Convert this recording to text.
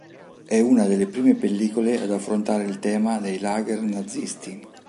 È una delle prime pellicole ad affrontare il tema dei "lager" nazisti.